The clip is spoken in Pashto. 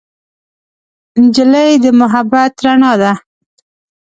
نجلۍ د محبت رڼا ده.